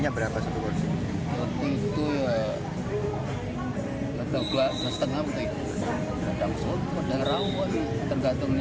kadang kadang tergantung yang ya itu